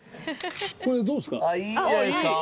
これどうですか？